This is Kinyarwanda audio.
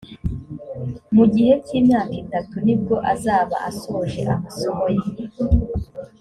mu gihe cy imyaka itatu nibwo azaba asoje amasomo ye